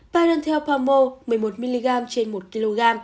pyrothel pomo một mươi một mg trên một kg